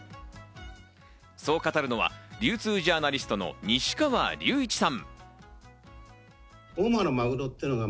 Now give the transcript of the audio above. そう語るのは流通ジャーナリストの西川立一さん。